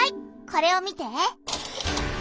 これを見て。